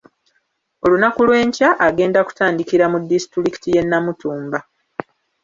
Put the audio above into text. Olunaku lw'enkya agenda kutandikira mu disitulikiti y’e Namutumba.